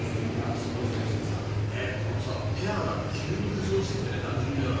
すごいですね良純さん。このペアが急に浮上してきて、男女ペアが。